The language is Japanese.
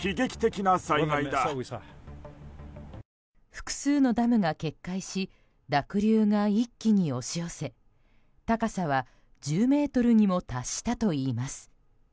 複数のダムが決壊し濁流が一気に押し寄せ高さは１０ｍにも達したといいます。